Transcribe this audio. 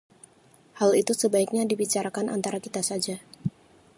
hal itu sebaiknya dibicarakan antara kita saja